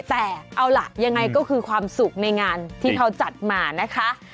แต่เอาล่ะยังไงก็คือความสุขในงานที่เขาจัดมานะคะ